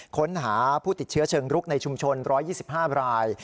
ค้นหาผู้ติดเชื้อเชิงรุกในชุมชน๑๒๕ราย